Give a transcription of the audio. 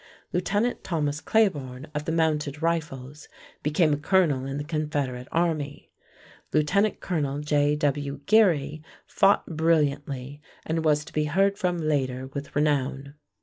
Lieutenant Thomas Claiborn of the Mounted Rifles became a colonel in the Confederate Army. Lieutenant Colonel J.W. Geary fought brilliantly and was to be heard from later with renown.